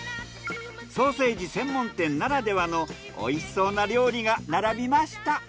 ソーセージ専門店ならではのおいしそうな料理が並びました。